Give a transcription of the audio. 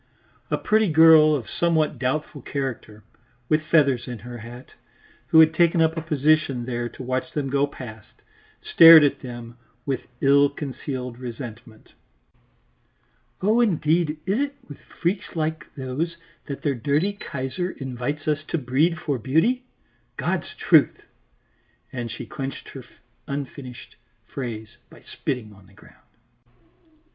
A pretty girl of somewhat doubtful character, with feathers in her hat, who had taken up a position there to watch them go past, stared at them with ill concealed resentment. "Oh indeed, is it with freaks like those that their dirty Kaiser invites us to breed for beauty? God's truth!" and she clinched her unfinished phrase by spitting on the ground.